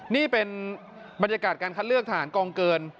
นี่เป็นบรรยากาศการคัดเลือกทหารกองเกิน